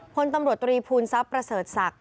พลตำรวจตรีภูมิทรัพย์ประเสริฐศักดิ์